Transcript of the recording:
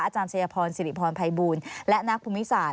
อาจารย์ชัยพรสิริพรภัยบูลและนักภูมิศาสต